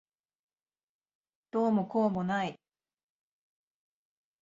どうもこうもない。